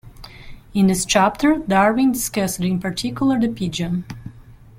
In this chapter, Darwin discussed in particular the pigeon.